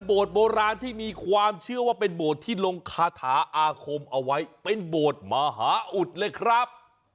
โบราณที่มีความเชื่อว่าเป็นโบสถ์ที่ลงคาถาอาคมเอาไว้เป็นโบสถ์มหาอุดเลยครับ